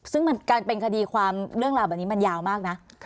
ซึ่งการเป็นคดีความเรื่องราวแบบนี้มันยาวมากนะ